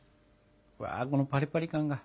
うわこのパリパリ感が。